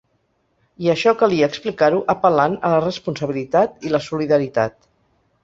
I això calia explicar-ho apel·lant a la responsabilitat i la solidaritat.